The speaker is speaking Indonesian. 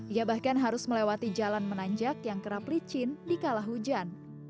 ia bahkan harus melewati jalan menanjak yang kerap licin di kala hujan